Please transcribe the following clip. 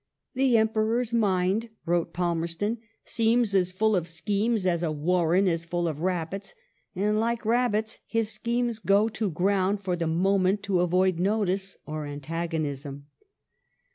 " The Emperor's mind," wrote Palmerston, " seems as full of schemes as a warren is full of rabbits, and like rabbits, his schemes go to ground for the moment to avoid notice or antagonism."